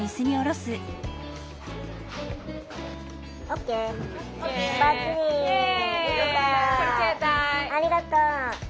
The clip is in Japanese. ありがとう。